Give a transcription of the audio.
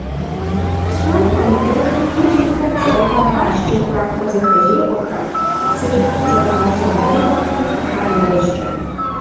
Псом хуэмыдэжу пуделхэр цӏэрыӏуэ хъуащ джэгуакӏуэ зэхэзекӏуэхэм, цирк зыкъэгъэлъагъуэныгъэхэм хыхьа нэужькӏэ.